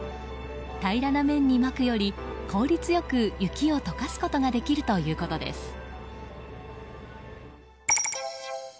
平らな面にまくより効率よく雪を溶かすことができるということです。